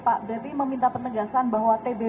pak berarti meminta penegasan bahwa tbk